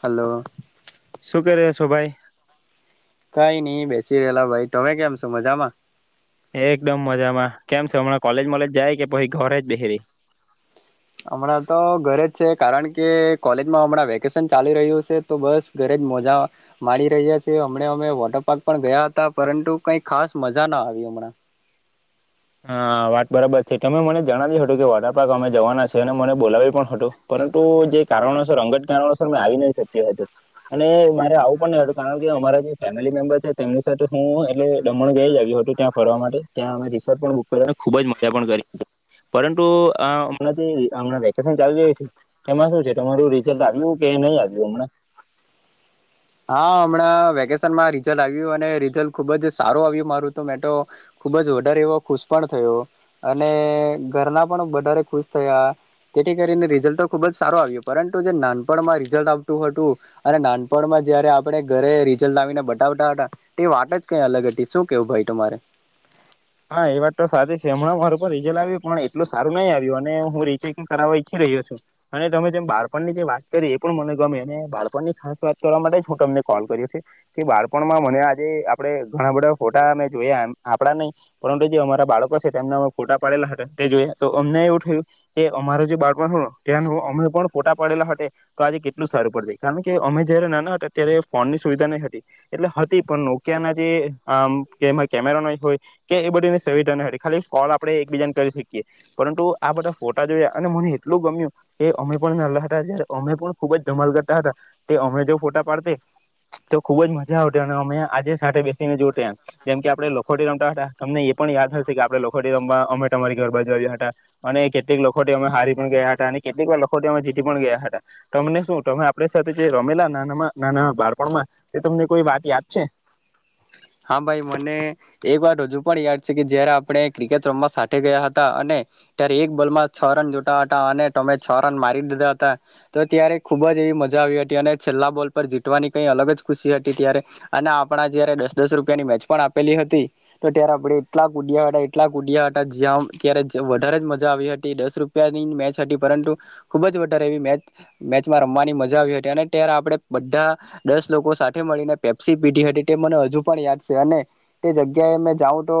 Hello. શું કરે છો ભાઈ? કઈ નઈ બેસી રહેલા ભાઈ તમે કેમ છો મજામાં? એકદમ મજામાં કેમ છે હમણાં કોલેજ વોલેજ જાય કે પછી ઘરે જ બેહિરય? હમણાં તો ઘરે જ છે કારણ કે કોલેજમાં હમણાં વેકેશન ચાલી રહ્યું છે તો બસ ઘરે જ મજા મારી રહ્યા છે. હમણા અમે વોટર પાર્ક પણ ગયા હતા પરંતુ કઈ ખાસ મજા ના આવી હમણાં. હા વાત બરાબર છે તમે મને જણાવ્યું હતું કે વોટર પાર્ક અમે જવાના છે અને મને બોલાવ્યો પણ હતું પરંતુ જે કારણોસર અંગત કારણોસર મેં આવી નહી શક્યું હતું અને મારે આવું પણ નહી હતું કારણ કે અમારા જે ફેમિલી મેમ્બર છે તેમની સાથે હું એટલે દમણ ગયા આવ્યું હતું ત્યાં ફરવા માટે ત્યાં અમે ખુબ જ મજા કરી પરંતુે આ હમણાં જે વૈકેશન ચાલી રહ્યું છે એમાં શુ છે તમારું રિજલ્ટ આવ્યું કે નહી આવ્યું હમણા. હા હમણાં વેકેશનમાં રીઝલ્ટ આવ્યું અને રિઝલ્ટ ખુબ જ સારું આવ્યું મારું તો મે તો ખુબજ વધારે એવો ખુશ પણ થયો અને ઘરના પણ વધારે ખુશ થયા તેથી કરીને રીઝલ્ટ તો ખુબ જ સારું આવ્યો પરંતુ જે નાનપણમાં રિઝલ્ટ આવતું હતું અને નાનપણમાં જયારે આપણે ઘરે રિઝલ્ટ આવીને બતાવતા હતા એ વાત જ કઈ અલગ હતી. શું કેવું ભાઈ તમારે? હા એ વાત તો સાચી છે હમણાં મારુપણ રીઝલ્ટ આવ્યું પણ એટલું સારું નહીં આવ્યું અને હું રીચેકિંગ કરાવવા ઈચ્છી રહ્યો છું અને તમે જેમ બાળપણની જે વાત કરી એ પણ મને ગમે અને બાળપણની ખાસ વાત કરવા માટે હટ અમને કોલ કર્યો છે કે બાળપણમાં મને આજે આપણે ઘણા બધા ફોટા મેમે જોયા આપડા નહીં પરંત જે અમારા બાળકો છે તેમના અમે ફોટા પાડેલા હતા તે જોયા તો અમને એવું થયું કે અમારા જે બાળપણ હતું એના અમે પણ ફોટા પાડેલા હતા તો આજે કેટલું સારું પડતી કારણ કે અમે જયારે નાના હતા ત્યારે ફોન ની સુવિધા નહી હતી એટલે હતી પણ નોકિયા ના જે આ કેમેરા ન હોય કે એ બધીની સુવિધા ન હતિ ખાલી કોલ આપણે એકબીજાને કરી શકીએ પરંતુ આ બધા ફોટા જોયા અને મને એટલું ગમ્યું કે અમે પણ હતા જ અમે પણ ખુબ જ ધમલ કરતા હતા તે અમે જો ફોટા પાડતા તો ખુબ જ મજા આવતી અને અમે આજે સાથે બેસીને જો જેમ કે આપણે લખોટી રમતા હતા. તમને એ પણ યાદ હશે કે આપણે લોકોખો રમવા અમે તમારી ગરબાજુ આવ્યા હતા અને કેટલીક લખોટી અમે હારી પણ ગયા હતા અને કેટલીક વાર લખો અમે જીતી પણ ગયા હતા તમને શું તમે આપણી સાથે જે રમેલા નાનામાં નાના બાળપણમાં એ તમને કોઈ વાત યાદ છે? હા ભાઈ મને એ વાત હજુ પણ યાદ છે કે જયારે આપણે ક્રિકેટ રમમાં સાથે ગયા હતા અને ત્યારે એક બોલમાં છ રન જોતા હતા અને તમે છ રન મારી દીધા હતા તો ત્યારે ખુબ જ એવી મજા આવી હતી અને છેલ્લા બોલ પર જીતવાની કઈ અલગ જ ખુશી હતી ત્યારે અને આપણા જયારે દસ રૂપિયાની મેચ પણ આપેલી હતી તો ત્યારે આપણે એટલા કૂદયા હતા એટલા કૂદયા હતા જ્યાં ત્યારે વધારે જ મજા આવી હતી દસ રૂપિયાની મેચ હતી પરંતુ ખુબ જ વધારે એવી મેચ મેચમાં રમવાની મજા આવી હતી અને ત્યારે આપણે બધા દસ લોકો સાથે મળીને પેપ્સી પીઢી હતી તે મને હજુ પણ યાદ છે અને તે જગ્યાએ જાઉં તો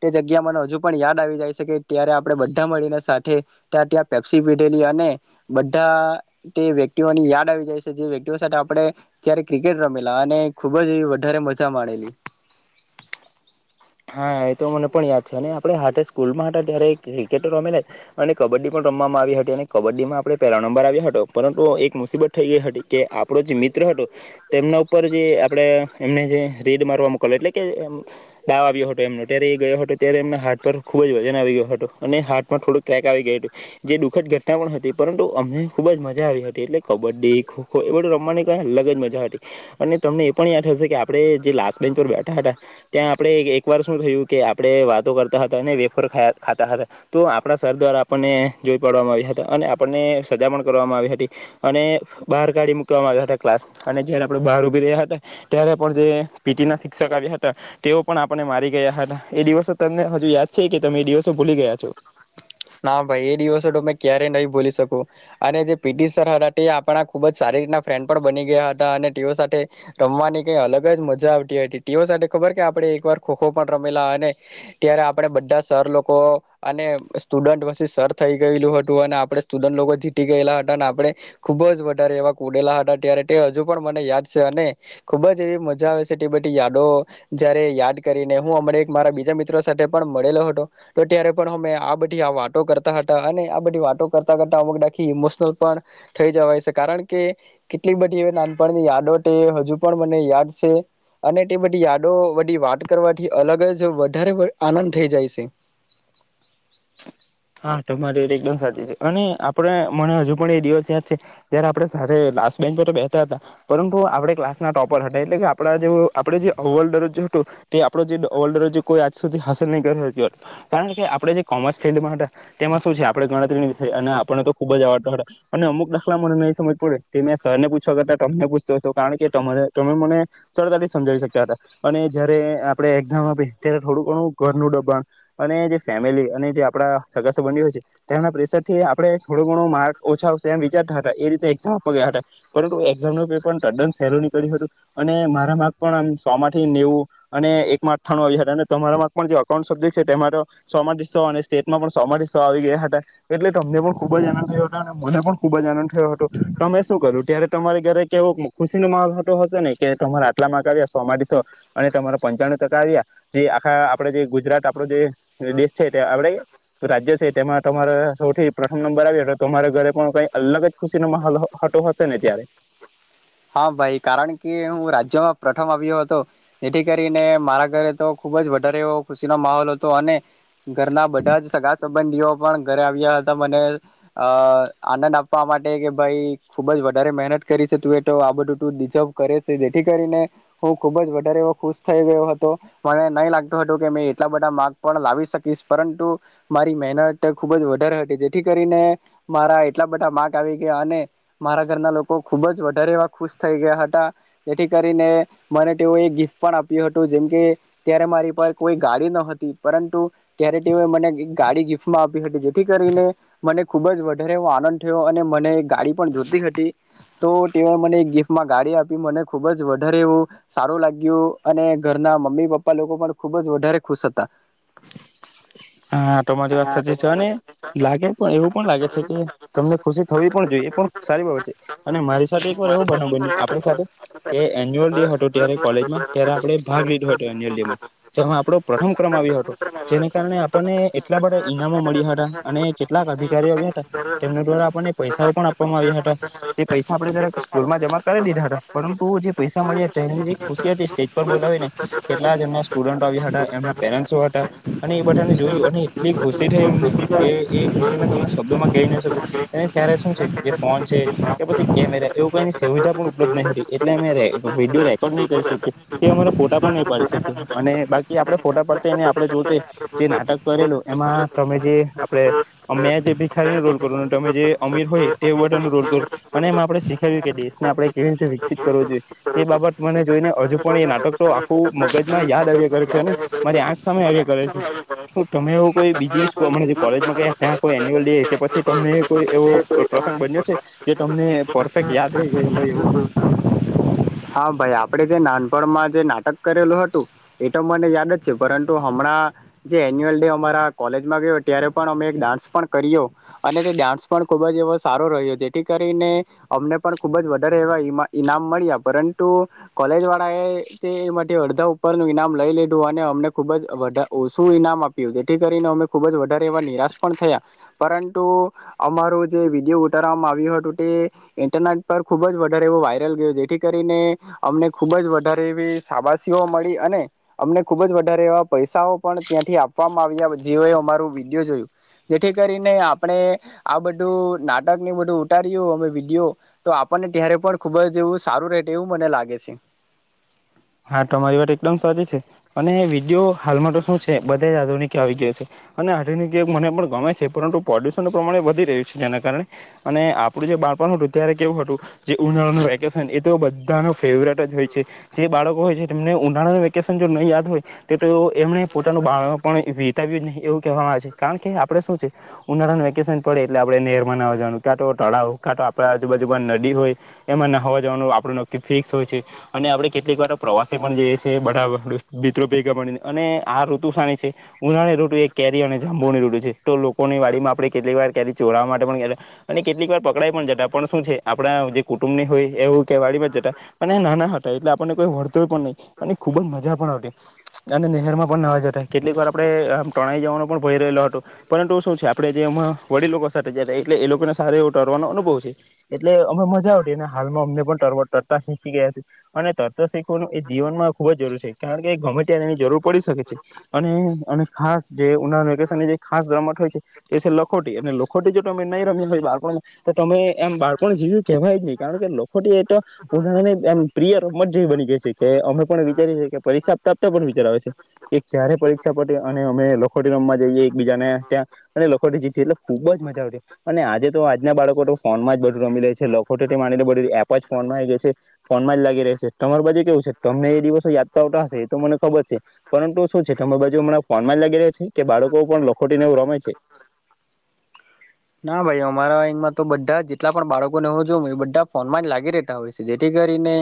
તે જગ્યા મને હજુ પણ યાદ આવી જાય છે કે ત્યારે આપણે બધા મળીને સાથે ત્યાં ત્યાં પેપ્સી પીધેલી અને બધા તે વ્યક્તિઓની યાદ આવી જાય છે જે વ્યક્તિઓ સાથે આપણે ત્યારે ક્રિકેટ રમેલા અને ખુબ જ એવી વધારે મજા માણેલી હા એ તો મને પણ યાદ છે અને આપણે હાતે સ્કૂલમાં હતા ત્યારે ક્રિકેટ રમેલા અને કબડ્ડી પણ રમવામાં આવી હતી અને કબડ્ડીમાં આપણે પહેલા નંબર આવ્યો હતો પરંતુ એક મુસીબત થઈ ગઈ હતી કે આપણો જે મિત્ર હતો તેમના ઉપર જે આપણે એમને જે રેડ મારવા મોક એટલે કે એમ તાવ આવ્યો હતો એમનો ત્યારે એ ગયો હતો ત્યારે એમના હાટ પર ખૂબ જ વજન આવી ગયો હતું અને હા્ટમાં થોડુંક ક્રેક આવી ગયું હતું જે દુખદ ઘટના પણ હતી પરંતુ અમને ખૂબ જ મજા આવી હતી એટલે કબડ્ડી ખો ખો એ બધું રમવાની અલગ જ મજા હતી અને તમને એ પણ યાદ હશે કે આપણે જે લાસ્ટ બેન્ચ પર બેઠા હતા ત્યાં આપણે એક વાર શું થયું કે આપણે વાતો કરતા હતા અને વેફરા ખાતા હતા તો આપણા સર દ્વારા આપણને જોઈ પાડવામાં આવ્યા હતા અને આપણને સજા પણ કરવામાં આવી હતી અને બહાર કાઢી મૂકવામાં આવ્યા હતા ક્લાસ અને જયારે આપણે બહાર ઉભી રહ્યા હતા ત્યારે પણ જે પીટી ના શિક્ષક આવ્યા હતા તેઓ પણ આપણને મારી ગયા હતા, એ દિવસો તમને હજુ યાદ છે કે તમે એ દિવસો ભૂલી ગયા છો? ના ભાઈ એ દિવસો તમે ક્યારેય નહી ભોલી શકૂ અને જે પીટી સર હતા તે આપણા ખુબ જ સારી રીતના મિત્ર પણ બની ગયા હતા, અને તેઓ સાથે રમવાની કઈ અલગ જ મજા આવતી હતી તેઓ સાથે ખબર કે આપણે એકવાર ખો-ખો પણ રમેલા અને ત્યારે આપણે બધા સર લોકો અને સ્ટુડન્ટ વરસીસ સર થઈ ગયેલું હતું અને આપડે સ્ટુડન્ટ લોકો જીતી ગયેલા હતા અને આપણે ખુબ જ વધારે એવા કૂદેલા હતા ત્યારે તે હજુ પણ મને યાદ છે, અને ખુબ જ એવી મજા આવે છે તે બધી યાદો જયારે યાદ કરીને હું અમને એક મારા બીજા મિત્રો સાથે પણ મળેલો હતો તો ત્યારે પણ અમે આ બ આ વાતો કરતા હતા અને આ બધી વાતો કરતા કરતા અમુકદાખી ઇમોશનલ પણ થઈ જવાય છે. કારણ કે કેટલીક બધી એ નાનપણની યાદો તે હજુ પણ મને યાદ છે, અને તે બધી યાદો બધી વાત કરવાથી અલગ જ વધારે આનંદ થઈ જાય છે. હા તમારી વાત એકમ સાચી છે, અને આપણે મને હજુ પણ એ દિવસ યાદ છે. જ્યારે આપણે સાથે લાસ્ટ બેન્ચ પર તો બેહતા હતા પરંતુ આપણે ક્લાસના ટોપર હતા, એટલે કે આપણા જેવું આપણે જે અવ્વલ દરજ હતું તે આપડો જે અવ્વલ દરજ્જ કોઈ આજ સુધી હાસિલ નહીં કરી શક્યો કારણ કે આપણે જે કોમર્સ ફિલ્ડમાં હતા. તેમાં શું છે આપણે ગણતરીની વિષય અને આપણને તો ખુબ જ આવડતા હતા અને અમુક દાખલા મને નહી સમજ પડે કે મેં સર ને પૂછવા કરતાં તમને પૂછતો હતો કારણ કે તમારે તમે મને સરતાથી સમજાવી શકતા હતા, અને જયારે આપણે એક્ઝામ આપી ત્યારે થોડું ઘણું ઘરનું દબાણ અને જે ફેમિલી અને જે આપણા સગા સંબંધી હોય છે. તેમના પ્રેશર થી આપણે થોડો ઘણું માર્ક ઓછા આવશે એમ વિચારતા હતા એ રીતે એઝામ આપવા ગયા હતા, પરંતુ એઝામ ન પેપર તદ્ન સેલુ નીકળ્યું હતું અને મારા માર્ક પણ આમ સો માં થી નેવું અને એક માં અથાણું આવી હતા અને તમારા માર્ક પણ જે અઉન્ટ સબ્જેક્ટ છે તમારો સો માંથી સો અને સ્ટે પણ સો માથી સો આવી ગયા હતા એટલે તમને પણ ખુબ જ આનંદ થયો હતો અને મને પણ ખુબ જ આનંદ થયો હતો તમે શું કર્યું ત્યારે? તમારી ઘરે કેવો ખુશીનો માહોલ તો હશે ને કે તમારે આટલા માગ આવ્યા સો માથી સો અને તમારા પંચાણું ટકા આવ્યા જે આખા આપણે જે ગુજરાત આપડો જે દેશ છે. તે આપણે રાજ્ય છે તેમાં તમારે સૌથી પ્રથમ નંબર આવ્યો હતો તમારા ઘરે પણ કઈ અલગ જ ખુશીનો માહોલ હ હતો હશે ને ત્યારે? હા ભાઈ કારણ કે હું રાજ્યમાં પ્રથમ આવ્યો હતો જેથી કરીને મારા ઘરે તો ખુબ જ વધારે એવો ખુશીનો માહોલ હતો અને ઘરના બધા સગા સંબંધીઓ પણ ઘરે આવ્યા હતા મને અ આનંદ આપવા માટે કે ભાઈ ખુબ જ વધારે મહેનત કરી છે તું એ. આ બધું ડીઝવ કરે છે. જેથી કરીને હું ખુબ જ વધારે એવો ખુશ થઈ ગયો હતો મને નહી લાગતો હતો કે મે એટલા બધા માર્ગ પણ લાવી શકીશ પરંતુ મારી મહેનત ખુબ જ વધારે હતી, જેથી કરીને મારા એટલા બધા માર્ક આવી ગયા અને મારા ઘરના લોકો ખુબ જ વ વધારે એવા ખુશ થઈ ગયા હતા, જેથી કરીને મને તેઓએ ગિફ્ટ પણ આપ્યું હતું જેમકે ત્યારે મારી પર કોઈ ગાડી ન હતી પરંતુ ત્યારે તેઓએ મને એક ગાડી ગિફ્ટમાં આપી હતી, જેથી કરીને મને ખૂબ જ વધારે એવો આનંદ થયો અને મને એ ગાડી પણ જોતી હતી તો તેઓ મને ગિફ્ટમાં ગાડી આપી મને ખુબ જ વધારે એવું સારું લાગ્યું અને ઘરના મમ્મી-પપ્પા લોકો પણ ખુબ જ વધારે ખુશ હતા. હા તમારી વાત સાચી છે અને લાગે પણ એવું પણ લાગે છે કે તમને ખુશી થવી પણ જોઈએ એ પણ સારી બાબત છે અને મારી સાથે એક એવું બનાવ બન્યું આપણી સાથે કે એન્યુઅલ ડે હતો ત્યારે કોલેજમાં ત્યારે આપણે ભાગ લીધો હતો એન્યુઅલ ડેમાં તેમાં આપડો પ્રથમ ક્રમ આવ્યો હતો. જેને કારણે આપણને એટલા બધા ઈનામો મળ્યા હતા અને કેટલાક અધિકારીઓ આવ્યા હતા તેમના દ્વારા આપણને પૈસાઓ પણ આપવામાં આવ્યા હતા. જે પૈસા આપડે ત્યારે સ્કૂલમાં જમા કરી દીધા હતા પરંતુ, જે પૈસા મળ્યા તેની જે ખુશી હતી સ્ટેજ પર બોલાવી ને કેટલા જ એમના સ્ટુડન્ટો આવ્યા હતા એમના પેરેન્ટસ હતા. અને એ બધાને જોયું અને એટલી ખુશી થઈ એમને એ એ ખુશી મે તમને શબ્દોમાં કહી ન શકું એ ત્યારે શું છે, જે ફોન છે કે પછી કેમેરા એવ કઈની સુવધા પણ ઉપલબ્ધ એટલે અમે રે વિડીયો રેકોર્ડ નહી કરી શકીએ. કે અમારા ફોટા પણ નહી પાડી શકે. અને બાકી આપડે ફોટા પડતાને આપણે જોતે. જે નાટક કરેલું એમાં તમે જે આપડણે મેં જે ભિખારીને રોલ કરો તમે જે અમીર હોય તે રોલ કરો, અને એમાં આપડણે શીખાવ્યું કે દેશને આપણે કેવી રીતે વિકસિત કરવો, જોઈએ તે બાબત મને જોઈને હજુ પણ એ નાટક તો આખું મગજમાં યાદ આવ્યા કરે છે અને, મારી આંખ સામે આવ્યા કરે છે. શું તમે એવું કોઈ બીજી કોલેજમાં ગયા ત્યાં કોઈ એન્યુઅલ ડે કે પછી તમને કોઈ એવો પ્રસંગ બન્યો છે, કે તમને પરફેક્ટ યાદ રહી ગયો હોય એવો. હા ભાઈ આપણેે જે નાનપણમાં જે નાટક કરેલું હતું, એ તો મને યાદ જ છે પરંતુ હમણાં જે એન્યુઅલ ડે અમારા કોલેજમાં ગયો ત્યારે પણ અમે એક ડાન્સ પણ કર્યો અને તે ડાન્સ પણ ખૂબ જ એવો સારો રહ્યો જેથી કરીને અમને પણ ખૂબ જ વધારે એવા ઈમા ઈનામ મળ્યા. પરંતુ, કોલેજ વાળા એ તે માંથી અડધા ઉપરનું ઈનામ લઈ લીધું અને અમને ખુબ જ વધ ઓછું ઈનામ આપ્યું જેથી કરીને અમે ખુબ જ વધારે એવા નિરાશ પણ થયા, પરંતુ અમારું જે વિડિયો ઉતારવામાં આવ્યું હતું તે ઇન્ટરનેટ પર ખુબ જ વધારે એવો વાયરલ ગયો, જેથી કરીને અમને ખુબ જ વધારે એવી સાાબાાસઓ મળી, અને અમને ખુબ જ વધારે એવા પૈસાઓ પણ ત્યાંથી આપવામાં આવ્યા જેઓ એ અમારું વિડીયો જોયું, જેથી કરીને આપણે આ બધું નાટક ને બધું ઉતાર્યું અમે વિડીયો, તો આપણને ત્યારે પણ ખુબ જ એવું સારું રેતે એવું મને લાગે છે. હા તમારી વાત એકદમ સાચી છે અને વિડીયો હાલમાં તો શું છે બધા એ જ આધુનિક કે આવી ગયા છે, અને આધુનિક યુગ મને પણ ગમે છે પરંતુ પોડુસન પ્રમાણ એ વધી રહ્યું છે, જેના કારણે અને આપણું જે બાળપણ હતું ત્યારે કેવું હતું જે ઉનાળાનું વેકેશન એ તો બધા ન ફેવરેટ જ હોય છે. જે બાળકો હોય છે તેમને ઉનાળાનું વેકેશન જો નઈ યાદ હોય તો એમણે પોતાનું બાળપણ એવું કહેવામાં આવે છે કારણ કે આપડણે શું છે, ઉનાળાના વેકેશન પડે એટલે આપણે નહેરમાં નાવા જવાનું કાંટો તળાવય કાંટો આપણાજુબાજુબા નદી હોય, એમાં ના હોવા જવાનું આપણે નકી ફિક્સ હોય છે અને આ કેટલીક વાર પ્રવાસે પણ જઈએ છે બ મિત્રો ભેગા મળીને અને આ ઋતુ ફાવે છે, ઉનાળી ઋતુ એક કેરી અને જાંબુની ઋતુ છે તો લોકોની વાડી માં આપણે કેટલીક વાર કેરી ચોરવા માટે પણ ગતા, અને કેટલીક વાર પકડાઈ પણ જતા પણ શું છે આપણા જે કુટુંબ ની હોય એવું ક વાડીમાં જતા, અને નાના હતા એટલે વળત પણ નહી અને ખુબ જ મજા પણ આવી, અને નહેર માં પણ નવા જતા કેટલીક વાર આપણે આમ તણાઈ જવાનો પણ ભય રહેલો હતો, પરંતુ શું છે આપડે જે વડીલો સાથે જ એટલે એ લોકોને સાર એવો તરવાનો અનુભવ છે, એટલે અ મજા આવતી, અને હાલમાં અમને પણ તરતા શીખી ગયા છે, અને એ જીવનમાં ખુબ જરૂર છે, કારણ કે એ ગમે ત્યારે એની જરૂર પડી શકે છે. અને અને ખાસ જે ઉનાળાના વેકેશનની જે ખાસ રમત હોય છે એ છે લખોટી. અને લખોટી જો તમે નહી રમ્યા હો, તો બાળપણમાં તો તમે એમ બાળકોણ જીવ કેહેવાય નહી કારણ કે લખોટી એ તો ઉનાળાની એમ પ્રિય અમર જેવી બની ગઈ છે કે અમે પણ વિચારી છીએ કે પરીક્ષા આપતા આપતા પણ વિચાર આવે છે, કે જ્યારે પરીક્ષા પટે અને અમે લખોટી રમવા જઈએ એક બીજાને ત્યાં, અને લખોટી જીતીએ એટલે ખુબ જ મજા આવતી અને આજે તો આજના બાળકો તો ફોન માં જ બધું રમી રે છે લખોટી માની બધી એપ જ ફોનમાં આવી ગઈ છે, ફોનમાં જ લાગી રે છે. તમારી બાજુ કેવું છે તમને એ દિવસો યાદ તો આવતા હશે, એ તો મને ખબર છે, પરંતુ શું છે, તમારી બાજુ ફોન માં જ લાગી રહ્યા છે કે બાળકો પણ લખોટીને એ રમે છે? ના ભાઈ અમારા અમાં તો બધા જેટલા પણ બાળકોને હું જો એ બધા ફોનમાં જ લાગી રહેતા હોય છે, જેથી કરીને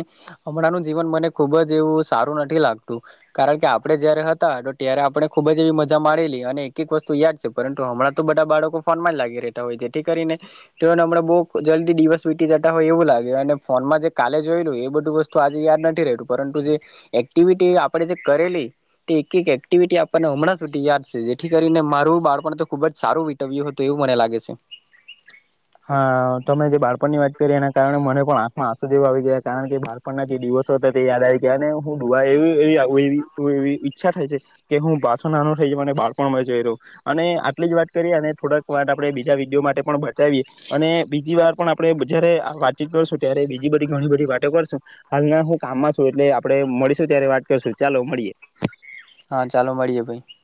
હમણાંનું જીવન મને ખુબ જ એવું સારું નથી લાગતું, કારણ કે આપડણે જયારે હતા, ત્યારે આપણે ખુબ જ એવી મજા માણેલી અને એક એક વસ્તુ યાદ છે પરંતુ હમણાં તો બધા બાળકો ફોનમાં જ લાગી રહે. હમણાં બહુ જલ્દી દિવસ વીતી જતા હોય એવું લાગે છે, અને ફોનમાં જે કાલે જોયેલું એ બધું વસ્તુ આજે યાદ નથી રહેતું પરંતુ જે, એક્ટિવિટી આપણે જે કરેલી તે એક એક્ટિવિટી આપણને હમણાં સુધી યાદ છે જેથી કરીને મારું બાળપણ તો ખુબ જ સારું વિતવ્યું હતું એવું મને લાગે છે. હ. [inaudible] હા તમે જે બાળપણની વાત કરી એના કારણે મને પણ આંખ માં આંસુ જેવો આવી ગયા કારણ કે બાળપણના જે દિવસો હતા તે યાદ આવી ગયા, અને હું ડવા એવીવીવી ઈચ્છા થાય છે કે હું બાસો નાનો થઈ જાઉં, મને બાળપણ મળે જ એ રહ્યો અને આટલી જ વાત કરીએ, અને થોડાક વાત આપણે બીજા વિડીયો માટે પણ. એ અને બીજી વાર પણ આપણેે જયારે વાતચીત કરશું ત્યારે બીજી બધી ઘણી બધી વાતો કરશું, હાલના હું કામમાં છું, એટલે આપણે મળીશું ત્યારે વાત કરશું ચાલો મળીએ. હા, ચાલો મળીએ ભાઈ.